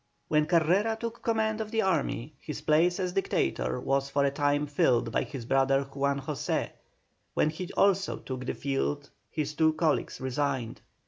When Carrera took command of the army his place as Dictator was for a time filled by his brother Juan José; when he also took the field his two colleagues resigned.